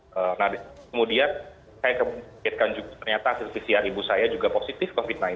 kemudian saya kemudian kemudian ternyata pcr ibu saya juga positif covid sembilan belas